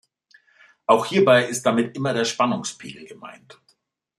Auch hierbei ist damit immer der Spannungspegel gemeint.